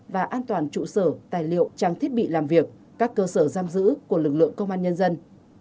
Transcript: và an toàn trụ sở tài liệu trang thiết bị làm việc các cơ sở giam giữ của lực lượng công an nhân dân